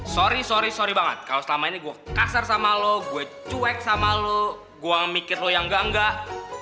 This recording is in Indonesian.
sorry sorry sorry banget kalau selama ini gue kasar sama lo gue cuek sama lo gue mikir lo yang enggak enggak